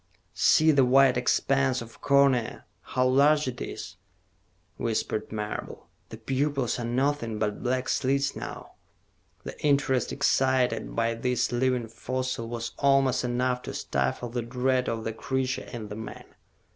"See the white expanse of cornea, how large it is," whispered Marable. "The pupils are nothing but black slits now." The interest excited by this living fossil was almost enough to stifle the dread of the creature in the man.